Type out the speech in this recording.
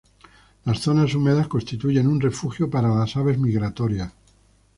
Las zonas húmedas constituyen un refugio para las aves migratorias.